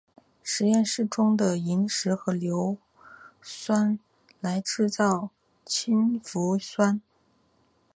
实验室中用萤石和浓硫酸来制造氢氟酸。